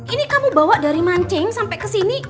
ini kamu bawa dari mancing sampai kesini